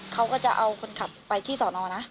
เขาก็จะเอาคนขับไปที่สอนอนะ